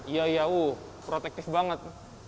iya iya wuh protektif banget